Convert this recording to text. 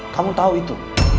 kamu tahu itu